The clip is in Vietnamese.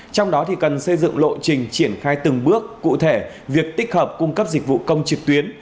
trong đó cần xây dựng lộ trình triển khai từng bước cụ thể việc tích hợp cung cấp dịch vụ công trực tuyến